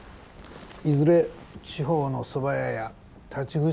いずれ地方の蕎麦屋や立ち食い